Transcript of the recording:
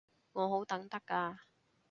我好等得㗎